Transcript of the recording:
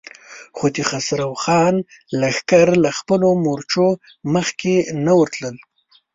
خو د خسرو خان لښکر له خپلو مورچو مخکې نه ورتلل.